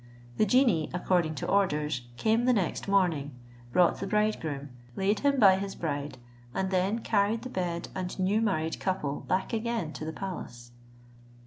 The genie, according to orders, came the next morning, brought the bridegroom, laid him by his bride, and then carried the bed and new married couple back again to the palace.